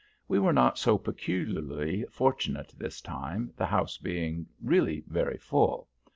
We were not so peculiarly fortunate this time, the house being really very full.